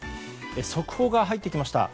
速報が入ってきました。